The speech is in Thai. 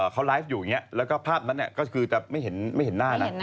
เขาไลฟ์อยู่อย่างนี้แล้วก็ภาพนั้นก็คือจะไม่เห็นหน้านะ